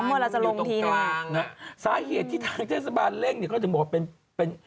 ว่าเราจะลงที่อยู่ตรงกลางอ่ะสาเหตุที่ทางเทศบาลเร่งนี่ก็จะบอกว่าเป็น